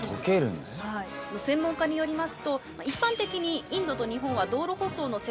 専門家によりますと一般的に。